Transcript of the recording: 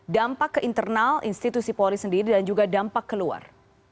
dampak ke internal institusi polri sendiri dan juga dampak keluar